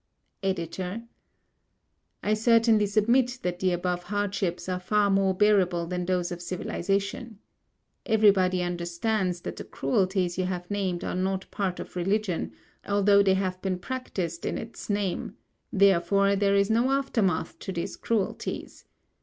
EDITOR: I certainly submit that the above hardships are far more bearable than those of civilization. Everybody understands that the cruelties you have named are not part of religion, although they have been practised in its name: therefore there is no aftermath to these cruelties.